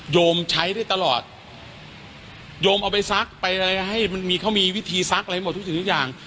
โยมใช้ได้ตลอดโยมเอาไปซักไปอะไรให้มันมีเขามีวิธีซักอะไรหมดทุกสิ่งทุกอย่าง